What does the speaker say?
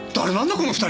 この２人。